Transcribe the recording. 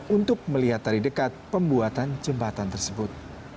untuk melihat dari dekat pembuatan jembatan tersebut